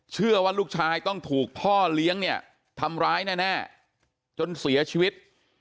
เชื่อว่าลูกชายต้องถูกพ่อเลี้ยงเนี่ยทำร้ายแน่จนเสียชีวิต